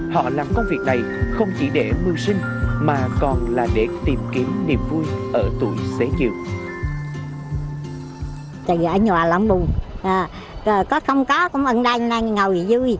họ làm công việc này không chỉ để mưu sinh mà còn là để tìm kiếm niềm vui ở tuổi xế chiều